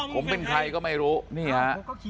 ผมเป็นใครก็ไม่รู้นี่ฮะ